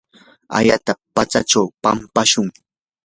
ayata pantyunchaw pampashun.